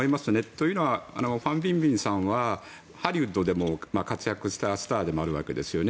というのはファン・ビンビンさんはハリウッドでも活躍したスターでもあるわけですよね。